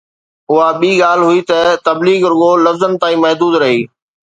اها ٻي ڳالهه هئي ته تبليغ رڳو لفظن تائين محدود رهي.